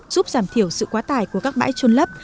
giúp giảm thiểu sự quá tải của các bãi trôn lấp